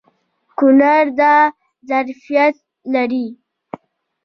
کونړ دا ظرفیت لري.